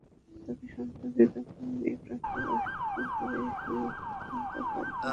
তবে সম্পত্তির দখল মেয়ে প্রাপ্তবয়স্ক হওয়ার পরই হস্তান্তর করে দিতে হবে।